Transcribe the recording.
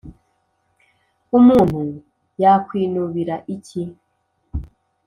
umuntu yakwinubira iki,